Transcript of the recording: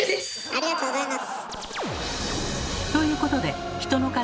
ありがとうございます。